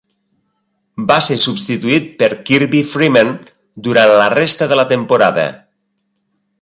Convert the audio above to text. Va ser substituït per Kirby Freeman durant la resta de la temporada.